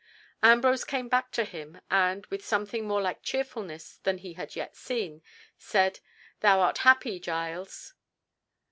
Ambrose came back to him, and, with something more like cheerfulness than he had yet seen, said, "Thou art happy, Giles."